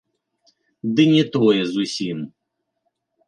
Ды не тое зусім.